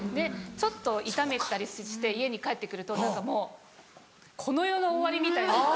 ちょっと痛めたりして家に帰って来ると何かもうこの世の終わりみたいな。